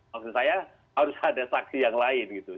maksud saya harus ada saksi yang lain gitu